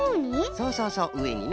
そうそうそううえにな。